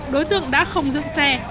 đối tượng đã không dừng xe